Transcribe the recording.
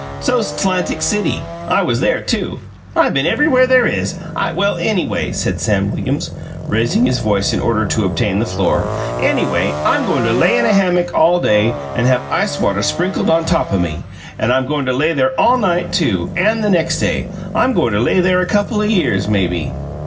So's 'Tlantic City, I was there, too. I been everywhere there is. I " "Well, anyway," said Sam Williams, raising his voice in order to obtain the floor, "anyway, I'm goin' to lay in a hammock all day, and have ice water sprinkled on top o' me, and I'm goin' to lay there all night, too, and the next day. I'm goin' to lay there a couple o' years, maybe."